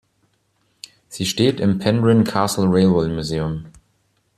Sie steht im Penrhyn Castle Railway Museum.